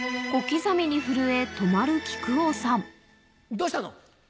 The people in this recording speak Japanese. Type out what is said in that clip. どうしたの？